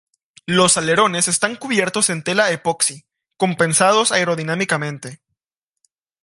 Los alerones están cubiertos en tela epoxi, compensados aerodinámicamente.